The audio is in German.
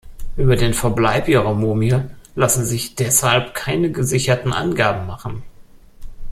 Über den Verbleib ihrer Mumie lassen sich deshalb keine gesicherten Angaben machen.